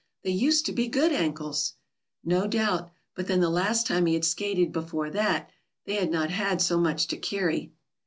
"They used to be good ankles." No doubt; but then the last time he had skated before that, they had not had so much to carry.